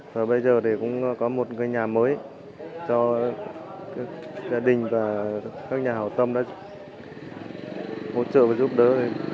và bây giờ thì cũng có một cái nhà mới cho gia đình và các nhà hảo tâm đã hỗ trợ và giúp đỡ